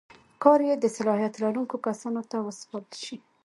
کار یې د صلاحیت لرونکو کسانو ته وسپارل شي.